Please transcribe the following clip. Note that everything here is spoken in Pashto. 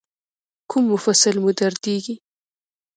کوم مفصل مو دردیږي؟